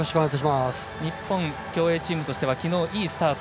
日本競泳チームとしては昨日、いいスタート。